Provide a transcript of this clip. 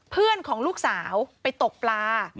เพื่อนของลูกสาวไปตกปลา